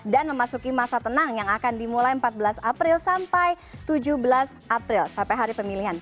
dan memasuki masa tenang yang akan dimulai empat belas april sampai tujuh belas april sampai hari pemilihan